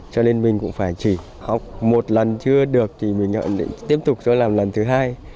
cho nên mình cũng phải chỉ học một lần chưa được thì mình tiếp tục làm lần thứ hai